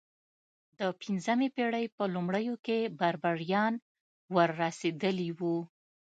د پنځمې پېړۍ په لومړیو کې بربریان ور رسېدلي وو.